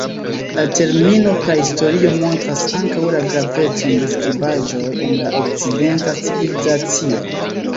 La termino prahistorio montras ankaŭ la gravecon de skribaĵoj en la okcidenta civilizacio.